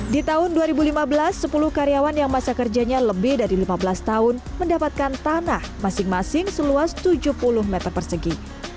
di tahun dua ribu lima belas sepuluh karyawan yang masa kerjanya lebih dari lima belas tahun mendapatkan tanah masing masing seluas tujuh puluh meter persegi